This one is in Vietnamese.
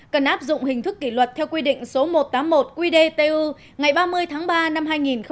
cần áp dụng hình thức kỷ luật theo quy định số một trăm tám mươi một qdtu ngày ba mươi tháng ba năm hai nghìn một mươi chín